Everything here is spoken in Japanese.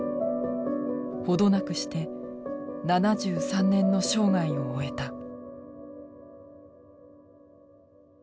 程なくして７３年の生涯を終えた。